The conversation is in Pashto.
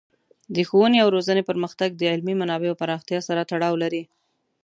د ښوونې او روزنې پرمختګ د علمي منابعو د پراختیا سره تړاو لري.